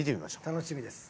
楽しみです。